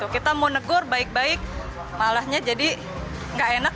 kita mau negur baik baik malahnya jadi nggak enak